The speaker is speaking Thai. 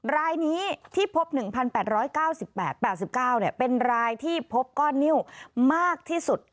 รายนี้ที่พบ๑๘๙๘๘๙เป็นรายที่พบก้อนนิ้วมากที่สุด